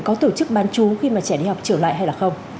có tổ chức bán chú khi mà trẻ đi học trở lại hay là không